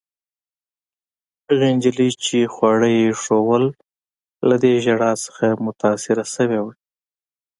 هغې نجلۍ، چي خواړه يې ایښوول، له دې ژړا څخه متاثره شوې وه.